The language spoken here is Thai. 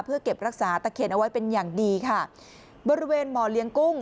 เพื่อเก็บรักษาตะเคียนเอาไว้เป็นอย่างดีค่ะบริเวณบ่อเลี้ยงกุ้ง